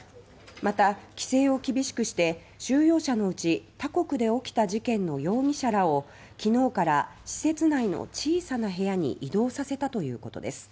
また規制を厳しくして収容者のうち他国で起きた事件の容疑者らを昨日から施設内の小さな部屋に移動させたということです。